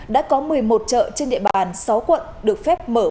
đã có một mươi một chợ trên địa bàn sáu quận được phép mở bán trên nguyên tắc